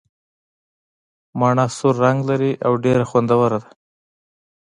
مڼه سور رنګ لري او ډېره خوندوره ده.